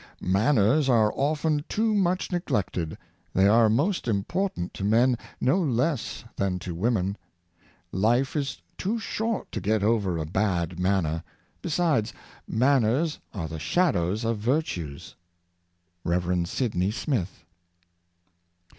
"Manners are often too much neglected; they are most important to men, no less than to women. Life is too short to get over a bad manner ; besides, manners are the shadows of virtues." — Rev. Sidney Smith.